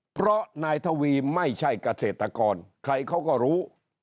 เพราะนายทวีไม่ใช่เกษตรกรใครเขาก็รู้